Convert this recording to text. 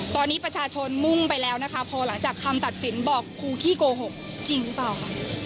ตอนนี้ประชาชนมุ่งไปแล้วนะคะพอหลังจากคำตัดสินบอกครูขี้โกหกจริงหรือเปล่าค่ะ